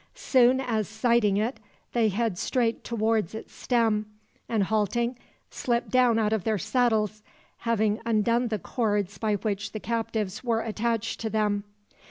Soon as sighting it, they head straight towards its stem, and halting, slip down out of their saddles, having undone the cords by which the captives were attached to them.